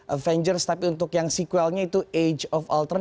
avengers tapi untuk yang sequelnya itu age of altern